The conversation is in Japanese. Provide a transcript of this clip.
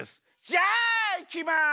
じゃあいきます。